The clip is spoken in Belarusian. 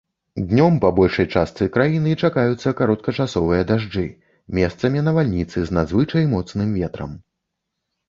Днём па большай частцы краіны чакаюцца кароткачасовыя дажджы, месцамі навальніцы з надзвычай моцным ветрам.